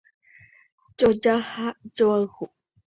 Joja ha joayhu